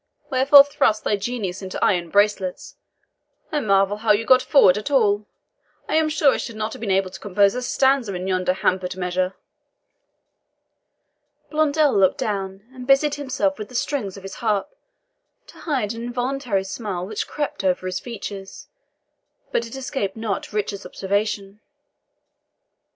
"Wherefore thrust thy genius into iron bracelets? I marvel how you got forward at all. I am sure I should not have been able to compose a stanza in yonder hampered measure." Blondel looked down, and busied himself with the strings of his harp, to hide an involuntary smile which crept over his features; but it escaped not Richard's observation.